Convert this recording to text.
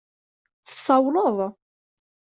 Tsawleḍ?